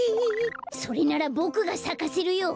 それならボクがさかせるよ。